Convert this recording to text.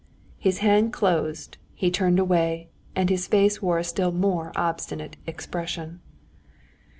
His hand closed, he turned away, and his face wore a still more obstinate expression.